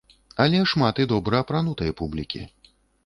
Але шмат і добра апранутай публікі.